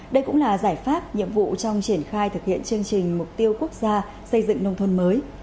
đây cũng là giải pháp nhiệm vụ trong triển khai thực hiện chương trình mục tiêu quốc gia xây dựng nông thôn mới